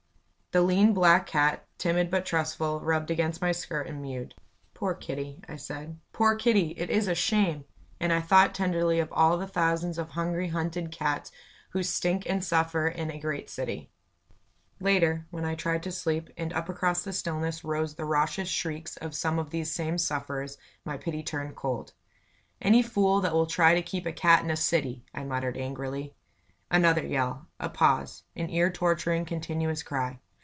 The lean, black cat, timid but trustful, rubbed against my skirt and mewed. "Poor Kitty" I said; "poor Kitty! It is a shame!" And I thought tenderly of all the thousands of hungry, hunted cats who stink and suffer its a great city. Later, when I tried to sleep, and up across the stillness rose the raucous shrieks of some of these same sufferers, my pity turned cold. "Any fool that will try to keep a cat in a city!" I muttered, angrily. Another yell a pause an ear torturing, continuous cry.